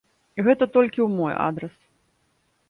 Гэта толькі ў мой адрас.